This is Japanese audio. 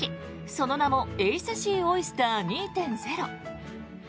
その名もエイスシーオイスター２．０。